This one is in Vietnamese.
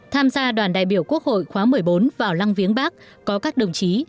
tham gia đoàn đại biểu quốc hội khóa một mươi bốn vào lăng viếng bắc có các đồng chí